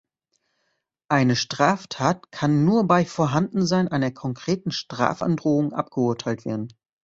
Eine Straftat kann nur „bei Vorhandensein einer konkreten Strafandrohung abgeurteilt werden“.